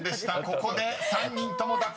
ここで３人とも脱落］